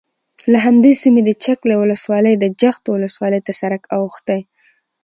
له همدې سیمې د چک له ولسوالۍ د جغتو ولسوالۍ ته سرک اوښتی،